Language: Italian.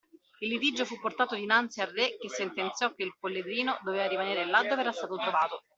Il litigio fu portato dinanzi al re che sentenziò che il polledrino doveva rimanere là dove era stato trovato;